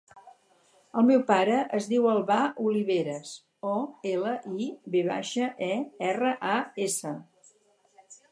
El meu pare es diu Albà Oliveras: o, ela, i, ve baixa, e, erra, a, essa.